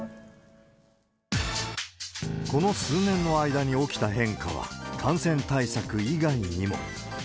この数年の間に起きた変化は、感染対策以外にも。